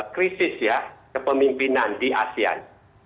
krisis ya kepemimpinan di asean